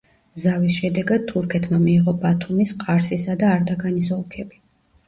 ზავის შედეგად თურქეთმა მიიღო ბათუმის, ყარსისა და არდაგანის ოლქები.